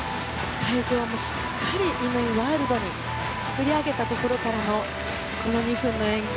会場もしっかり、乾ワールドに作り上げたところからのこの２分の演技